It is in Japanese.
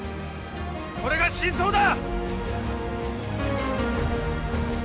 それが真相だ！